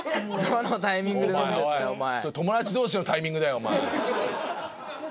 友達同士のタイミングだよお前。